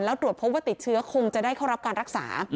แล้วตรวจพบว่าติดเชื้อคงจะได้เข้ารับการรักษา